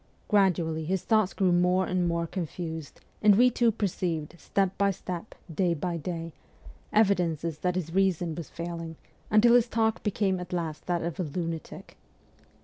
Gradually his thoughts grew more and more confused, and we two perceived, step by step, day by day, evidences that his reason was failing, until his talk became at last that of a lunatic.